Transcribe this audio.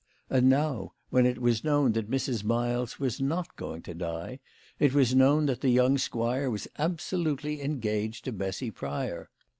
And now, when it was known that Mrs. Miles was not going to die, it was known that the young squire was absolutely engaged to Bessy Pryor.